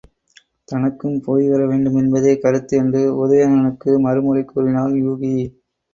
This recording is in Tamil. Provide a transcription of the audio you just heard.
தனக்கும் போய்வர வேண்டும் என்பதே கருத்து என்று உதயணனுக்கு மறுமொழி கூறினான் யூகி.